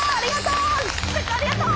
ありがとう！